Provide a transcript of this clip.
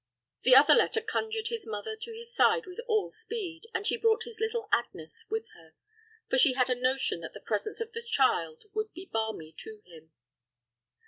The other letter conjured his mother to his side with all speed, and she brought his little Agnes with her; for she had a notion that the presence of the child would be balmy to him.